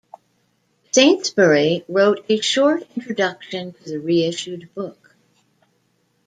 Saintsbury wrote a short introduction to the reissued book.